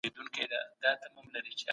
د مذهب په نوم تبعیض منع دی.